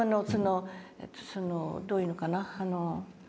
どう言うのかな